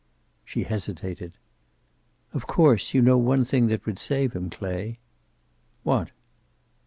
She hesitated. "Of course, you know one thing that would save him, Clay?" "What?"